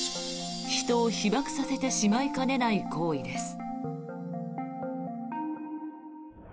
人を被ばくさせてしまいかねない行為です。